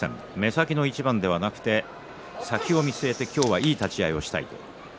目先の一番ではなく、先を見据えていい立ち合いをしたい。